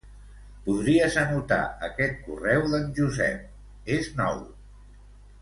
Podries anotar aquest correu d'en Josep és nou.